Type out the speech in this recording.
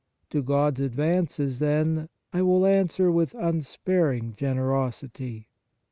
To God s advances, then, I will answer with unsparing generosity."